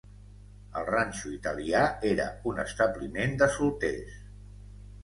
El ranxo italià era un establiment de solters.